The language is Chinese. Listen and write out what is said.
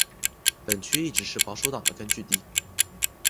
本区一直是保守党的根据地。